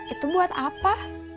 itu buat apa